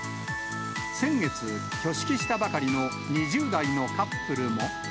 先月、挙式したばかりの２０代のカップルも。